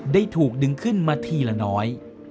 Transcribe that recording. ได้ถูกดึงขึ้นมาทีละน้อย